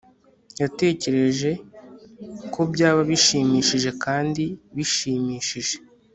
Yatekereje ko byaba bishimishije kandi bishimishije